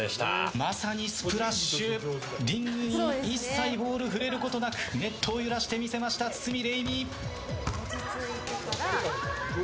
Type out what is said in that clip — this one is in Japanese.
まさにスプラッシュリングに一切ボールは触れることなくネットを揺らしてみせました堤礼実。